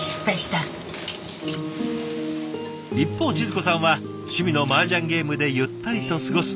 一方静子さんは趣味のマージャンゲームでゆったりと過ごす。